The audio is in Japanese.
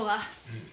うん。